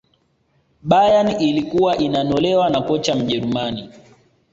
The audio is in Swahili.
bayern ilkuwa inanolewa na kocha mjerumani